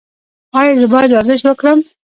ایا زه باید ورزش وکړم؟